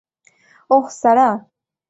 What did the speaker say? ওহ, সারা।